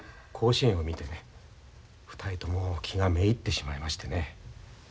甲子園を見てね２人とも気がめいってしまいましてね。